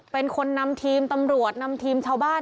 เป็นคนนำทีมตำรวจนำทีมชาวบ้าน